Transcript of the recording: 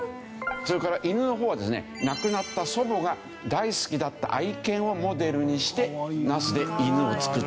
それから犬の方はですね亡くなった祖母が大好きだった愛犬をモデルにしてナスで犬を作った。